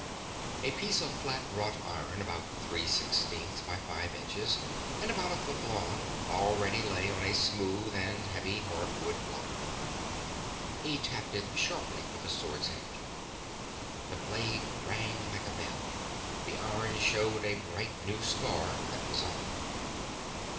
A piece of flat wrought iron, about three sixteenths by five inches and about a foot long, already lay on a smooth and heavy hardwood block. He tapped it sharply with the sword's edge. The blade rang like a bell; the iron showed a bright new scar; that was all.